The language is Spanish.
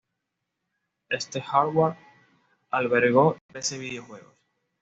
Este hardware albergó trece videojuegos.